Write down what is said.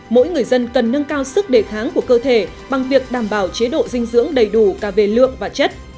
mỗi người dân cần nâng cao sức đề kháng của cơ thể bằng việc đảm bảo chế độ dinh dưỡng đầy đủ cả về lượng và chất